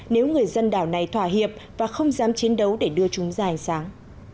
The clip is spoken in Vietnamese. nếu người dân đảo này thỏa hiệp và không dám chiến đấu để đưa chúng dài sáng